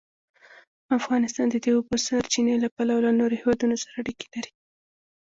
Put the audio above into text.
افغانستان د د اوبو سرچینې له پلوه له نورو هېوادونو سره اړیکې لري.